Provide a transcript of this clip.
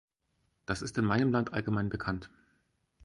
Das ist in meinem Land allgemein bekannt.